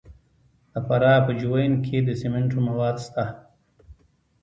د فراه په جوین کې د سمنټو مواد شته.